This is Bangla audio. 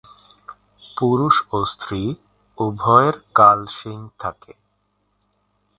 পুরুষ ও স্ত্রী উভয়ের কাল শিং থাকে।